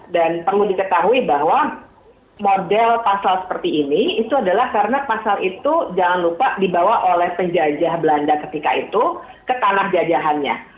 dan perlu diketahui bahwa model pasal seperti ini itu adalah karena pasal itu jangan lupa dibawa oleh penjajah belanda ketika itu ke tanah jajahannya